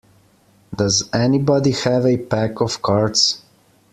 Does anybody have a pack of cards?